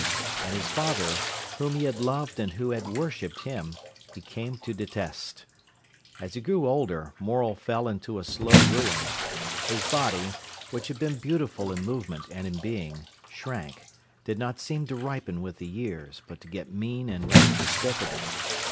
And his father, whom he had loved and who had worshipped him, he came to detest. As he grew older Morel fell into a slow ruin. His body, which had been beautiful in movement and in being, shrank, did not seem to ripen with the years, but to get mean and rather despicable.